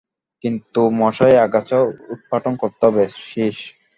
কিন্তু মশায়, আগাছা উৎপাটন করতে হবে– শ্রীশ।